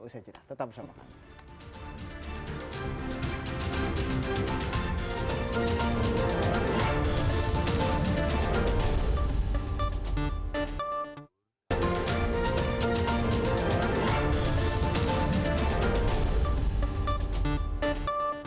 usha cinta tetap bersama kami